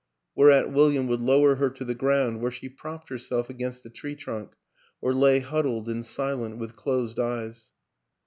Whereat William would lower her to the ground where she propped herself against a tree trunk or lay hud dled and silent with closed eyes.